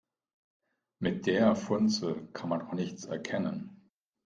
Mit der Funzel kann man doch nichts erkennen.